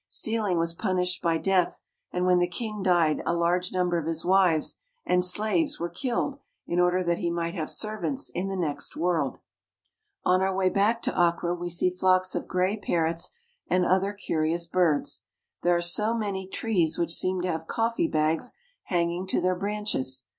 Stealing was punished by death, and when the king died a large number of his wives and slaves were killed in order that he might have servants in the next world. On our way back to Akkra we see flocks of gray parrots and other curious birds. There are many trees which seem to have coffee bags hanging to their branches.